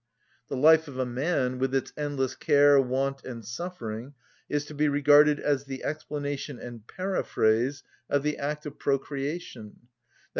The life of a man, with its endless care, want, and suffering, is to be regarded as the explanation and paraphrase of the act of procreation, _i.